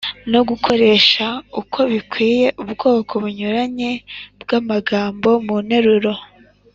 no gukoresha uko bikwiye ubwoko bunyuranye bw’amagambo mu nteruro.